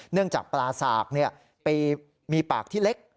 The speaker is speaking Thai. เนื่องจากปลาสากไปมีปากที่เล็ก